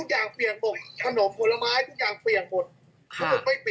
ทุกอย่างไม่เปียงเลยพี่ผมยังมองอยู่เลยเฮ้ยไม่ดับเลยอะขนาดฝนตกแรงนะ